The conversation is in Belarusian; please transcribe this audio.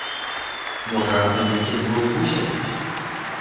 Можа, на нейкім кручку сядзіць.